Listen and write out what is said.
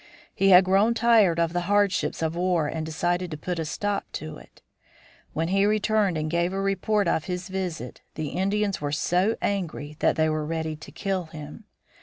He had grown tired of the hardships of war and decided to put a stop to it. When he returned and gave a report of his visit, the Indians were so angry that they were ready to kill him.